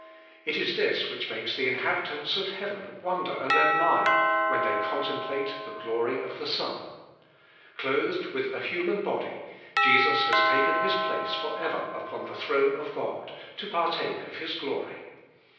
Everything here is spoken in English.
It is this which makes (he inhabitants ol heaven wonder and admire when they contemplate Hie glory of the Son. Clothed with a human body, Jesus has taken His place forever upon the throne of God, to partake of His glory.